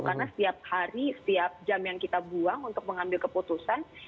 karena setiap hari setiap jam yang kita buang untuk mengambil keputusan